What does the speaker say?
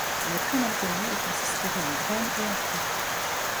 Elle est très mal connue et consisterait en graines et en fruits.